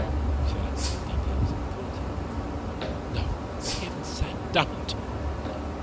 "' Shall I read the details of the torture?" "No, for Heaven's sake, don't."